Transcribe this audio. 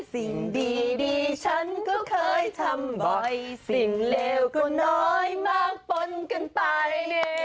สิ่งดีฉันก็เคยทำบ่อยสิ่งเลวก็น้อยมากปนกันไป